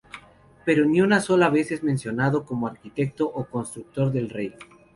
Pero ni una sola vez es mencionado como "Arquitecto o Constructor del Rey".